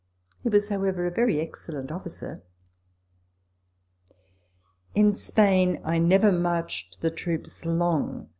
He was, however, a very excellent officer. In Spain I never marched the troops long.